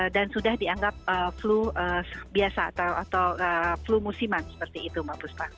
dan sudah dianggap flu biasa atau flu musiman seperti itu mbak puspa